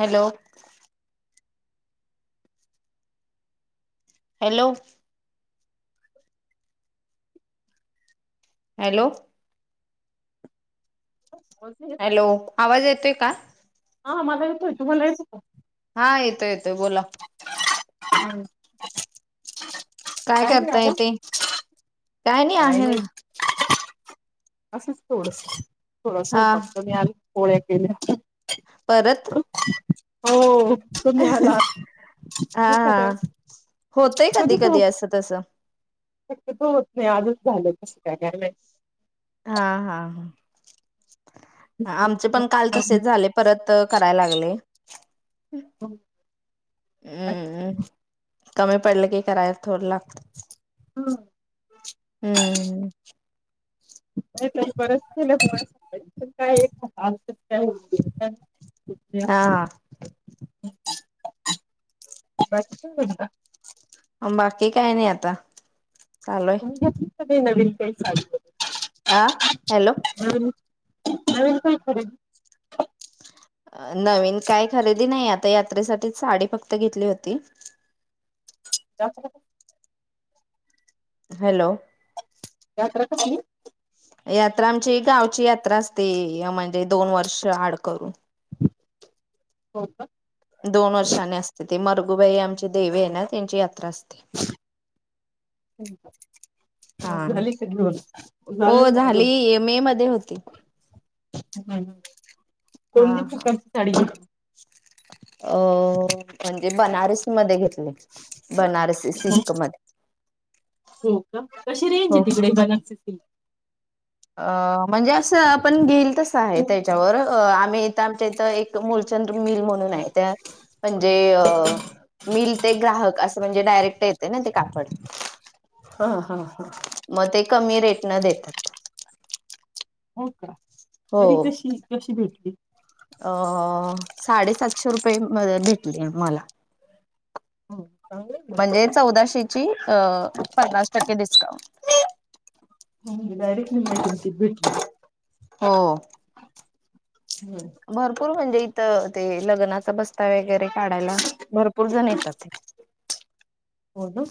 Hello. Hello. Hello. ह hello आवाज येतोय का. हा मला येतो तुम्हाला येत. हा येतोय येतोय बोला. [inaudible] काय करता यतेय. काही नाही. असंच थोडस थोडस हा बघतो मी आल. पोळ्या केले. परत. हो तुम्ही हा हा आलातस [unintelligible] होतय कधी कधी असं तसं. शक्यतो होत नाही, आजच झालं तसं काय काय माहित. हा हा. आमचे पण काल तसेच झाले, परत कराय लागले हम्म. कमी पडलं की कराया थोड लागत. हं. हम्म. नाही ते बरच केलं [unintelligible] काय ग कसं काय हा [unintelligible] बाकी काय म्हणता? बाकी काय नाही आता. काम हाय. तुम्ही घेतली नवीन काय चालू. अह हॅलो. नवीन काही तरी. नवीन काय खरेदी नाही आता यात्रेसाठी साडी फक्त घेतली होती. त्या [unintelligible] हॅलो. यात्रा कसली? यात्रा आमची गावची यात्रा असते या म्हणजे दोन वर्ष आड करून. हो का. दोन वर्षानी असते ते मरगूबाई आमचे देवे आहे ना त्यांची यात्रा असते. हो. हा हो झाले मग घेऊन झाली मे मध्ये होती. ह हा कोणत्या हा. प्रकारची साडी घेतली. अ म्हणजे बनारस मध्ये घेतले बनारसी सिल्क मध्ये. हो का कशी रेंज हो. तिकडे बनरसी सिल्क. अ म्हणजे असं आपण घेईल तसं आहे ते. च्या वर आम्ही इथ आमच्या इथ एक मुळचंद मिल म्हणून आहे त्यात म्हणजे मील ते ग्राहक अस म्हणजे डायरेक्ट येते न ते. कापड. हा हा हा मग ते कमी रेट. न देेतात. हो का. तरी हो तशी कशी भेटली? अ साडेसातशे रुपये म मध्ये भेटतो की मला. हम्म. म्हणजे चौदाशे. ची पन्नास टक्के डिस्काउंट. [inaudible] डा यरेक्ट निम्म्या किमतीत भेटली. हो भरपूर म्हणजे. त ते लग्नाचा बस्ता वगैरे काढायला भरपूर जण ये. तथे हो ना.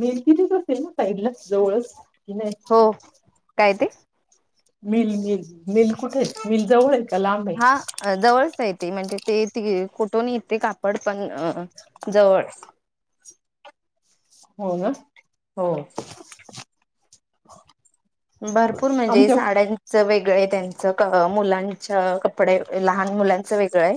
मिल ज्यस असते ना साइडला जवळच? की नाही हो काय ते. मिल - मिल मिल कुठ ए मिल जवळ आहे. का लांब ए हा जवळच आहे ते म्हणजे ते ती कुठून येते कापड, पण अ जवळ हो ना. हो. [inaudible] भरपूर म्हणजे आमच्या साड्यांचं वेगळं त्यांन [inaudible] कपडे लहान मुलां च वेगळं आहे.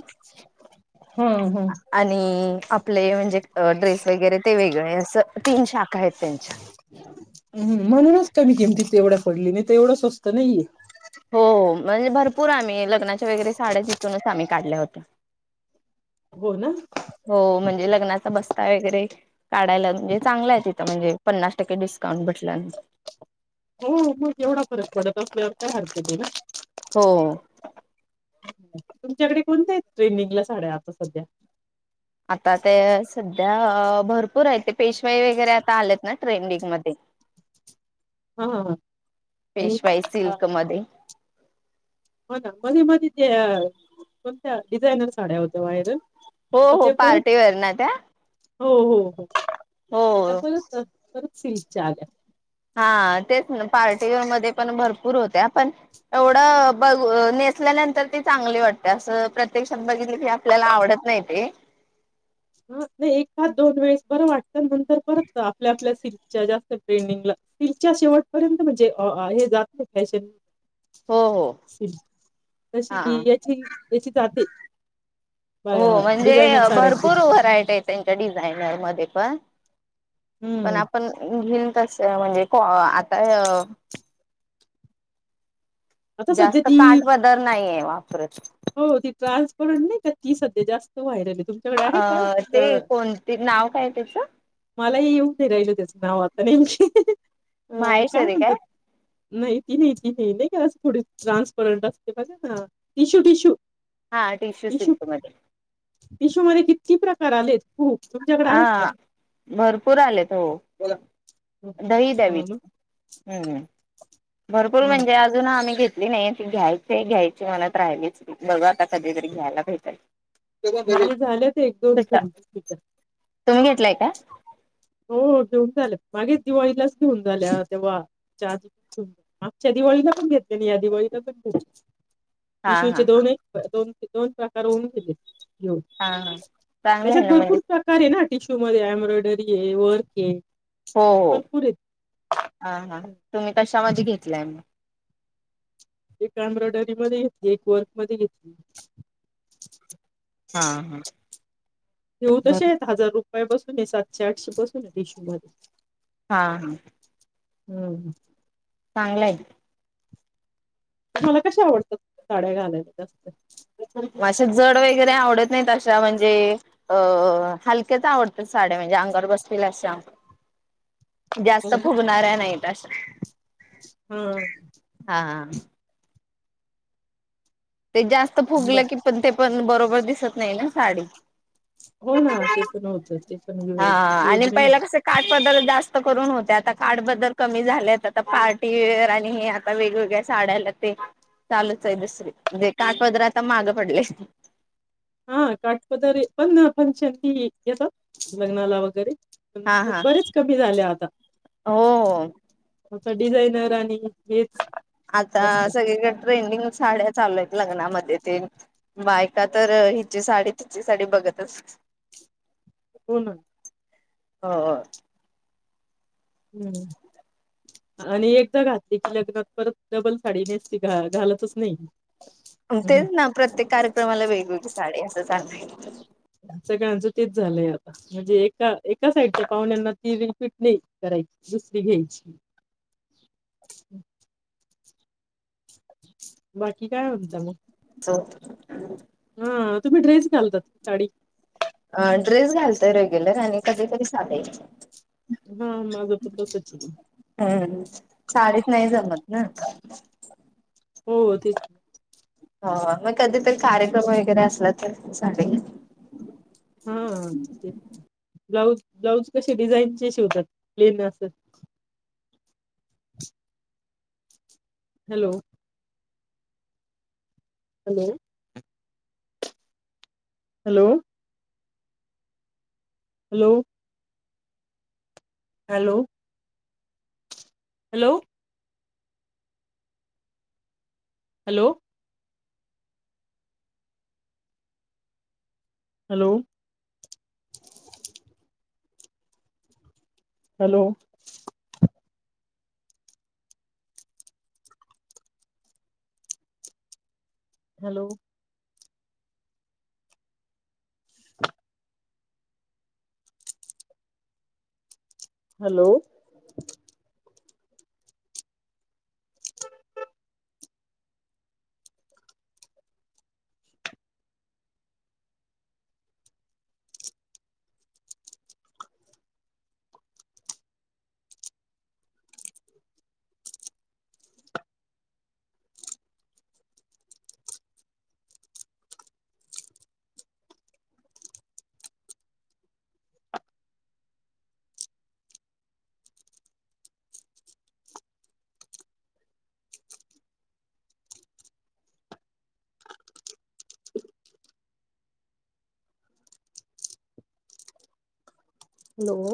हम्म हम्म हम्म, आणि आपले, म्हणजे ड्रेस वगैरे ते वेग नाही अस तीन शाखा आहेत त्यांच्या. हम्म म्हणूनच कमी किमतीत तेवढं पडली नाही त एवढं स्वस्त नाही ए. हो म्हणजे भरपूर आम्ही, लग्नाच्या वगैरे साड्या तिथूनच आम्ही काढल्या होत्या. हो ना. हो म्हणजे लग्नाचा बस्ता वगैरे काढायला म्हणजे चांगल आहे. तिथं म्हणजे पन्नास टक्के डिस्काउंट भेटलं. हो मग एवढा फरक पडत असल्यावर काय हरकत ए ना. हो. तुमच्याकडे कोणत्या आहेत. ट्रेंनीं गला साड्या आता सध्या आता ते स त्या भरपूर आहेत, ते पेशवाई वगैरे आता आल्यात ना ट्रेंडिंग मध्ये हा आणि पेशवाई अ, सिल्क मध्ये हो ना मध्ये-मध्ये त्या कोणत्या डिझाईनर साड्या होत्या व्हायरल. हो आता हो ते परत पार्टीवेअर ना त्या. हो हो हो. तर हो. परत कर परत सिल्कच्या आल्या. हा तेच ना पार्टीवेअर मध्ये पण भरपूर होत्या, पण एवढ बघ नेसल्यानंतर ती चांगली वाटते असं प्रत्यक्षात बघितली की आपल्याला आवडत नाही ते. हा. नाही एखाद दोन वेळेस बरं वाटतं नंतर परत आपल्या-आपल्या सिल्कच्या जास्त ट्रेंडिंगला सिल्कच्या शेवटपर्यंत म्हणजे हे जात नाही फॅशन हो हो. तशी हा याची-याची जाते डिझायनर साड्यांची. ईट आहे त्यांच्या डिझायनर मध्ये पण पण हम्म आपण घील तस म्हणजे को आता अ आता सध्या जास्त ती काठ पदर नाहीये. वापरत. हो ती ट्रान्स पण नाही का ती सध्या जास्त व्हायरलए. अ ते कोणती नाव काय तिचं? मलाही येऊन नाही राहिल त्याचं नाव आता नेमकी अ, महेश्वरी काय? म्हणतात नाही ति नाही तिन् नाही का थोडी ट्रान्सपरंट असते बघा ना टिश्यू, टिश्यू हा टिश्यू सिल्कमध्ये टिश्यू मध्ये किती प्रकार आलेत. हो तुमच्याकडे आहेत का? हा भरपूर आलेत. हो. हं, दही द्यावी. हां ना. हम्म भरपूर हं. म्हणजे अजून आम्ही घेत नाही. ते घ्यायचेय घ्यायचे मनात राहिलीच बघ आता कधीतरी घ्यायला भेटय. माझे झालेत एक दोन तरी तिच्यात तुम्ही घेटलाय का? हो. घेऊन झालं मागे दिवाळीलाच घेऊन झाल्या तेव्हा चार मागच्या दिवाळीला पण घेतलेली, या दिवाळीला पण घेत हा टिश्यू हा चे हा दोन दोन ते दोन प्रकार होऊन गेले. हो. हा हा चांगलं त्याच्यात आहे ना म्हणजे भरपूर प्रकार आहेए ना. टिश्यू मध्ये ए्ब्रॉयडरी वर्के हो. हो. हा. हा. तुम्ही कशामध्ये घेत [unintelligible] एक एम्ब्रॉयडरी मध्ये घेतली. एक वर्क मध्ये घेतली. हा. ह. घेऊ तशेत हजार रुपये पहिल्यापासून हे पासून सातशे आठशे पासून आहे. टिश्यू मध्ये हा. हा. हम्म चांगलंय मला कशा आवडतात साड्या घालायला जास्त असे जड वगैरे आवडत नाही तशा म्हणजे अ हलक्याच आवडत साड्या म्हणजे अंगावर बसतील अशा जास्त हो फुगणाऱ्या नाहीत टास हम्म हा ते जास्त फुगल बर की पण ते पण बरोबर दिसत नाइ ना साडी हो ना ते पण होत ते पण युज यूज नाही हो बदल जास्त करून होते आता काड बदल कमी झालेत आता पार्टीवेअर आणि हे आता वेगवेगळ्या साड्याला ते चालूच आहे दुसरी. म्हजे काठपदर आता माग पडले हा काटपदरीे पण फंक्शन ती येतात लग्नाला वगैरे. हा हा बरेच कमी झाले आता. हो आता डिझायनर आणि हेच आता जास्त सगळीकडे ट्रेंडिंगच साड्या चालूयेत. लग्नामध्ये ते बायका तर हिची साडी तिची साडी बघतच होन ह ह हम्म आणि एकदा घातली कि लग्नात परत डबल साडी नेसती घा घालतच नाही. तेच ना प्रत्येक कार्यक्रमाला वेगवेगळी साडी असच. का [unintelligible] सगळ्यांच तेच झालय आता म्हणजे एका एका साईडच्या पाहुण्यांना ती रिपीट नाही करायची दुसरी घ्यायची. बाकी काय म्हंता मग? हो हा तुम्ही ड्रेस घालतात की साडी? ड्रेस घालतोय रेग्युलर आणि कधी कधी साडी. हा माझ त तसच ये बई. [inaudible] साडीेत नाही जमत ना. हो हो तेच. हो मग कधीतरी कार्यक्रम वगेरे असला तर साडी. हा तेच ब्लाऊज ब्लाउज कशी डिझाईन शिवतात प्लेन असं hello. Hello. Hello. Hello. Hello hello hello. Hello. Hello. Hello. Hello. Hello.